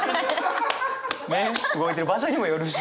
動いてる場所にもよるし。